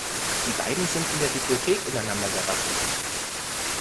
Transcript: Die beiden sind in der Bibliothek ineinander gerasselt.